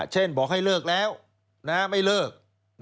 เช่นบอกให้เลิกแล้วไม่เลิก